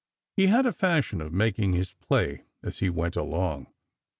He had a fashion of making his play as he went along.